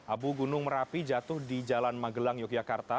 abu gunung merapi jatuh di jalan magelang yogyakarta